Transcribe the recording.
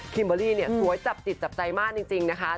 คิมเบอรีสวยจับจิตจับใจมากจริงนะคะ